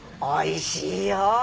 おいしいよ。